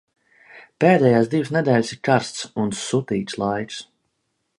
Pēdējās divas nedēļas ir karsts un sutīgs laiks.